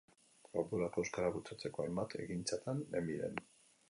Ordurako euskara bultzatzeko hainbat ekintzatan nenbilen.